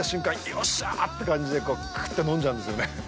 よっしゃーって感じでクーっと飲んじゃうんですよね。